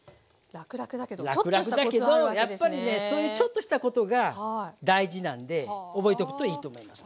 らくらくだけどやっぱりねそういうちょっとしたことが大事なんで覚えておくといいと思います。